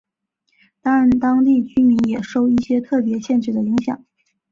但当地居民也受一些特别限制的影响。